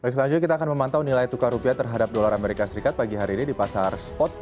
selanjutnya kita akan memantau nilai tukar rupiah terhadap dolar amerika serikat pagi hari ini di pasar spot